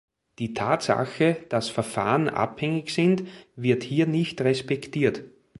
Die Tatsache, dass Verfahren anhängig sind, wird hier nicht respektiert.